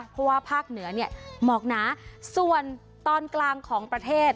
เพราะว่าภาคเหนือเนี่ยหมอกหนาส่วนตอนกลางของประเทศ